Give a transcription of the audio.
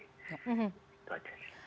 itu aja sih